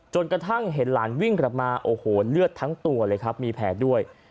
กระทั่งเห็นหลานวิ่งกลับมาโอ้โหเลือดทั้งตัวเลยครับมีแผลด้วย